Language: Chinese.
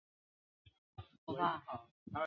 其总部设在匈牙利布达佩斯。